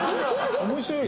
面白いよ。